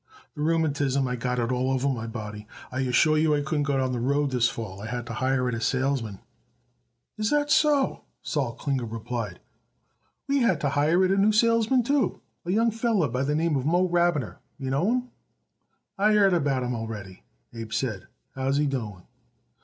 "The rheumatism I got it all over my body. I assure you I couldn't go out on the road this fall. I had to hire it a salesman." "Is that so?" Sol Klinger replied. "Well, we had to hire it a new salesman, too a young feller by the name Moe Rabiner. Do you know him?" "I heard about him already," Abe said. "How is he doing?"